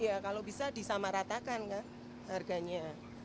ya kalau bisa disamaratakan kan harganya